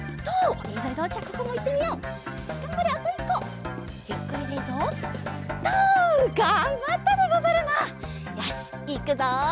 よしいくぞ！